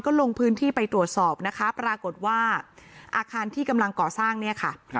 ลงพื้นที่ไปตรวจสอบนะคะปรากฏว่าอาคารที่กำลังก่อสร้างเนี่ยค่ะ